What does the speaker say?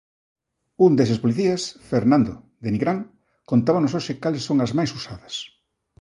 Un deses policías, Fernando, de Nigrán, contábanos hoxe cales son as máis usadas.